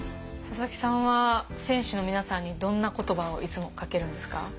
佐々木さんは選手の皆さんにどんな言葉をいつもかけるんですか？